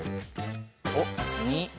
おっ２。